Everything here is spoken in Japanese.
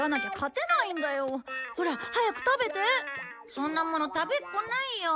そんなもの食べっこないよ。